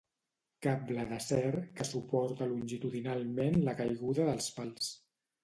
Cable d'acer que suporta longitudinalment la caiguda dels pals.